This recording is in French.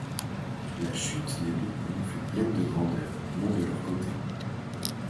La chute des Bourbons fut pleine de grandeur, non de leur côté.